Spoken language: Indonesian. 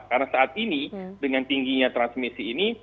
karena saat ini dengan tingginya transmisi ini